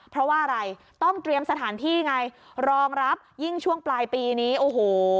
เพราะว่าอะไรต้องเตรียมสถานที่ไงรองรับยิ่งช่วงปลายปีนี้โอ้โห